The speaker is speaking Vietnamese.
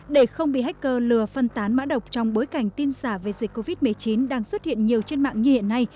để không bị hacker lừa phân tán mã độc trong bối cảnh tin giả về dịch covid một mươi chín đang xuất hiện nhiều trên mạng như hiện nay